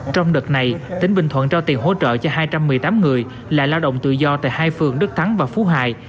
trong đợt này tỉnh bình thuận trao tiền hỗ trợ cho hai trăm một mươi tám người là lao động tự do tại hai phường đức thắng và phú hải